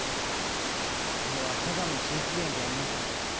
これはただの虫垂炎じゃありません。